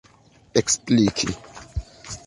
ekspliki